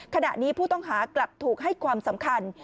ขณะนี้ผู้ต้องหากลับถูกให้ความสำคัญ